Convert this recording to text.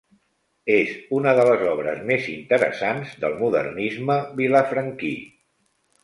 És una de les obres més interessants del modernisme vilafranquí.